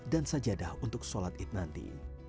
dan sajadah untuk sholat it nanti